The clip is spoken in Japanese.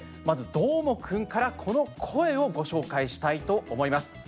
まず、どーもくんからこの声をご紹介したいと思います。